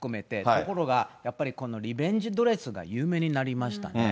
ところがやっぱり、このリベンジドレスが有名になりましたね。